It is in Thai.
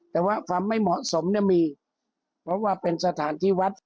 แต่ว่าความไม่เหมาะสมเนี่ยมีเพราะว่าเป็นสถานที่วัด